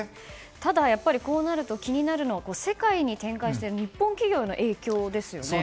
ただやっぱりこうなると気になるのは世界に展開している日本企業への影響ですよね。